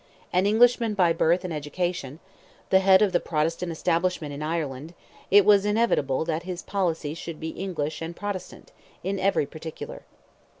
An Englishman by birth and education; the head of the Protestant establishment in Ireland, it was inevitable that his policy should be English and Protestant, in every particular.